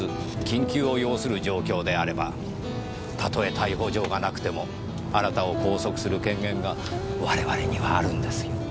緊急を要する状況であればたとえ逮捕状がなくてもあなたを拘束する権限が我々にはあるんですよ。